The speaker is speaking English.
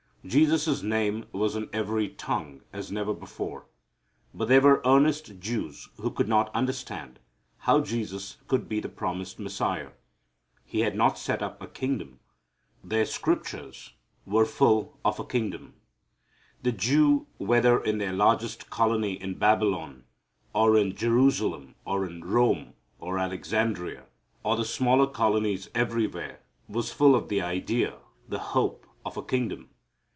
Jesus' name was on every tongue as never before. But there were earnest Jews who could not understand how Jesus could be the promised Messiah. He had not set up a kingdom. Their Scriptures were full of a kingdom. The Jew, whether in their largest colony in Babylon, or in Jerusalem, or in Rome, or Alexandria, or the smaller colonies everywhere, was full of the idea, the hope, of a kingdom.